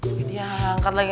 ini dia angkat lagi